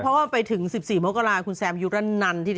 เพราะว่าไปถึง๑๔เมืองแรกคุณแซมยุติรัญนันท์